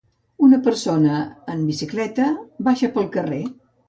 Una persona en bicicleta baixa pel carrer.